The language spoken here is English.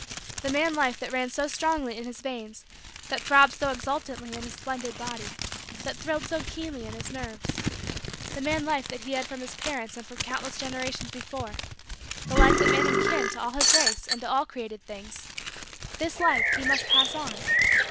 The man life that ran so strongly in his veins, that throbbed so exultantly in his splendid body, that thrilled so keenly in his nerves the man life that he had from his parents and from countless generations before the life that made him kin to all his race and to all created things this life he must pass on.